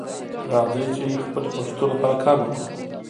راځئ چې خپلې پښتو لپاره کار وکړو